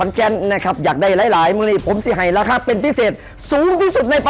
แม่แย่ล้วงให้โชคจริงเลยนะ